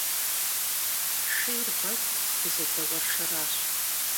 Шейр вэху, дызэдэуэршэращ.